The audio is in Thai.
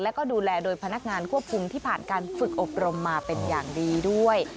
แล้วก็ดูแลโดยพนักงานควบคุมที่ผ่านการฝึกอบรมมาเป็นอย่างดีด้วย